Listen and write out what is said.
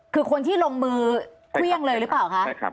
คือคนที่ลงมือเครื่องเลยหรือเปล่าคะ